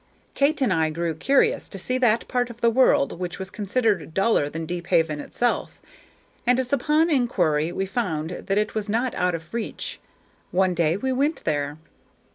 Kate and I grew curious to see that part of the world which was considered duller than Deephaven itself; and as upon inquiry we found that it was not out of reach, one day we went there.